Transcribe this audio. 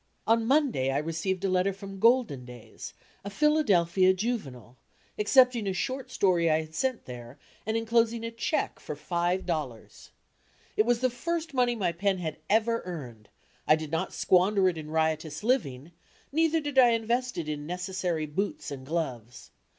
On Monday I received a letter from Golden Days, a Philadelphia juvenile, accepting a short story I had sent there and enclosing a cheque for five dollars. It was the first money my pen had ever earned; I did not squander it in riotous living, neither did I invest it in necessary boots and gloves.